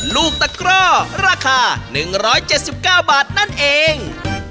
ลูกตะกร่อราคา๑๗๙บาทนั่นเอง